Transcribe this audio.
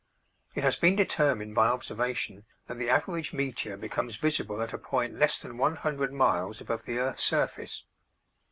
It has been determined by observation that the average meteor becomes visible at a point less than 100 miles above the earth's surface.